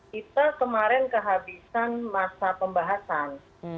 kita kemarin kehabisan masa pembahasan